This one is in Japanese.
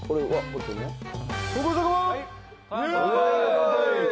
はい！